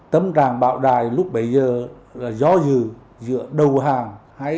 tấm tràng bảo đại lúc bấy giờ là gió dừ giữa đầu hàng